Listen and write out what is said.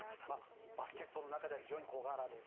バスケットの中では非常に小柄です。